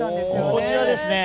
こちらですね。